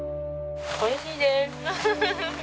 おいしいです！